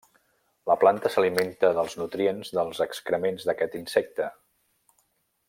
La planta s'alimenta dels nutrients dels excrements d'aquest insecte.